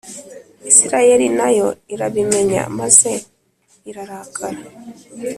Isirayeli na yo irabimenya maze irrarakara